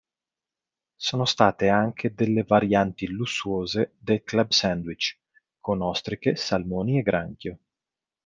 Sono state anche delle varianti "lussuose" del club sandwich con ostriche, salmoni e granchio.